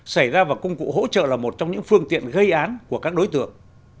xảy ra vào công cụ hỗ trợ là một trong những phương tiện gây án của các đối tượng